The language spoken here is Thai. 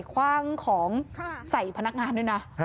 คว่างของใส่พนักงานด้วยนะ